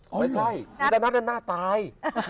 ไม่ใช่คุณจะนัดให้หน้าตาย